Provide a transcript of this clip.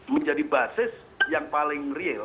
menjadi basis yang paling real